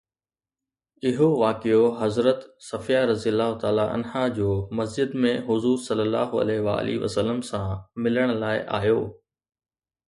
اهو واقعو حضرت صفيه رضه جو مسجد ۾ حضور ﷺ سان ملڻ لاءِ آيو